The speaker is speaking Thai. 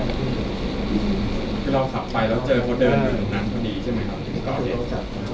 คือเราขับไปแล้วเจอเขาเดินมาแถวนั้นพอดีใช่ไหมครับ